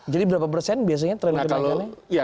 jadi berapa persen biasanya trend kebelakangnya